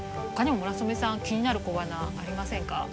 他にも村雨さん気になる小花ありませんか？